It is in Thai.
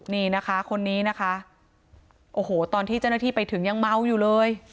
นี่นะคะคนนี้นะคะโอ้โหตอนที่เจ้าหน้าที่ไปถึงยังเมาอยู่เลย